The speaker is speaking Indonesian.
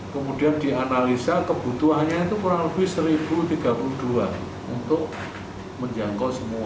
kemudian dianalisa kebutuhannya itu kurang lebih seribu tiga puluh dua untuk menjangkau semua